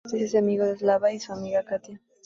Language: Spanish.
Él acepta y se hace amigo de Slava y de su amiga, Katia.